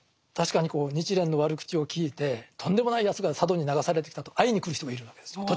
確かに日蓮の悪口を聞いてとんでもないやつが佐渡に流されてきたと会いに来る人がいるわけです。